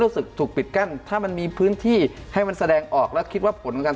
ถูกปิดกั้นถ้ามันมีพื้นที่ให้มันแสดงออกแล้วคิดว่าผลของการ